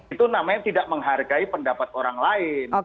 itu namanya tidak menghargai pendapat orang lain